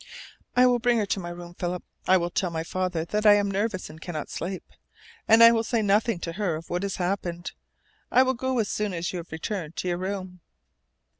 "I will bring her to my room, Philip. I will tell my father that I am nervous and cannot sleep. And I will say nothing to her of what has happened. I will go as soon as you have returned to your room."